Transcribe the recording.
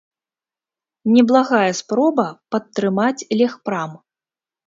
Неблагая спроба падтрымаць легпрам.